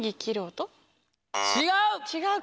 違う！